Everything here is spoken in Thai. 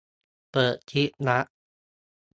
เปิดคลิปลับ